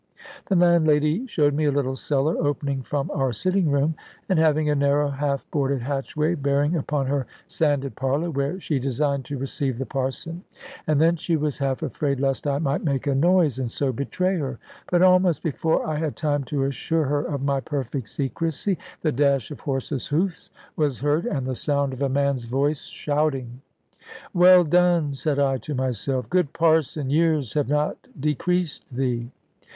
The landlady showed me a little cellar, opening from our sitting room, and having a narrow half boarded hatchway bearing upon her sanded parlour, where she designed to receive the Parson. And then she was half afraid lest I might make a noise and so betray her. But almost before I had time to assure her of my perfect secrecy, the dash of horse's hoofs was heard, and the sound of a man's voice shouting. "Well done!" said I to myself; "good Parson, years have not decreased thee."